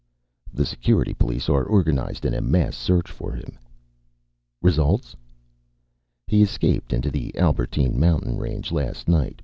"The Security police are organized in a mass search for him." "Results?" "He escaped into the Albertine Mountain Range last night.